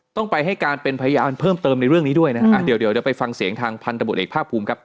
ต้องไปให้การเป็นพยานเพิ่มเติมในเรื่องนี้ด้วยนะฮะอ่าเดี๋ยวเดี๋ยวไปฟังเสียงทางพันธบทเอกภาคภูมิครับ